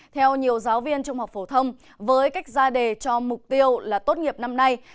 theo nhiều giáo viên trung học phổ thông với cách ra đề cho mục tiêu là tốt nghiệp năm nay